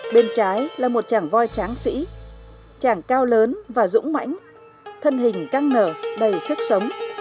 bên trái là một chàng voi tráng sĩ chàng cao lớn và dũng mãnh thân hình căng nở đầy sức sống